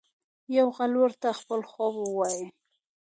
یو غل ورته خپل خوب وايي.